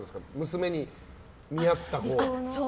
娘に似合った子。